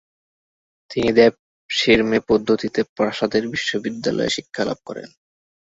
তিনি দেভশিরমে পদ্ধতিতে প্রাসাদের বিদ্যালয়ে শিক্ষা লাভ করেন।